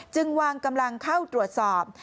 จึงวางกำลังเข้าตรวจสอบ